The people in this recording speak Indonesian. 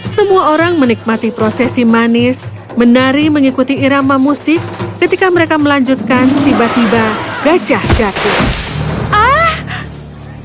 semua orang menikmati prosesi manis menari mengikuti irama musik ketika mereka melanjutkan tiba tiba gajah jatuh